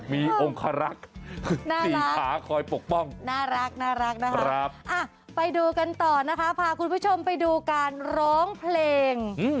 มีองคารักษ์สี่ขาคอยปกป้องน่ารักนะคะไปดูกันต่อนะคะพาคุณผู้ชมไปดูการร้องเพลง